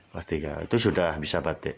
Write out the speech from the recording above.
kelas tiga itu sudah bisa batik